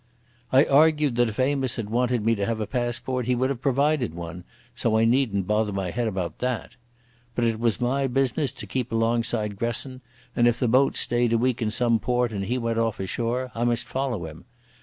I argued that if Amos had wanted me to have a passport he would have provided one, so I needn't bother my head about that. But it was my business to keep alongside Gresson, and if the boat stayed a week in some port and he went off ashore, I must follow him.